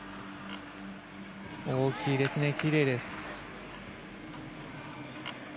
大きいですね、きれいです。